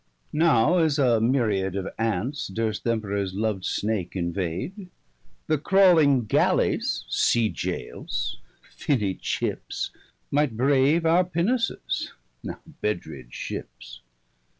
Now, as a Miriade 35 Of Ants, durst th'Emperours lov'd snake invade, The crawling Gallies, Sea goales, finny chips, Might brave our Pinnaces, now bed ridde ships.